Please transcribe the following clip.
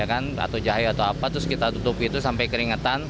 atau jahe atau apa terus kita tutup itu sampai keringetan